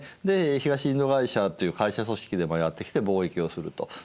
で東インド会社という会社組織でもやって来て貿易をすると。